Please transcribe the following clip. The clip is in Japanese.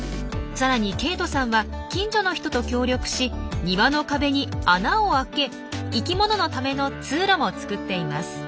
さらにケイトさんは近所の人と協力し庭の壁に穴を開け生きもののための通路も作っています。